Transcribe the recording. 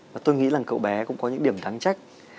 và tôi nghĩ là cậu bé cũng có những điểm thắng trách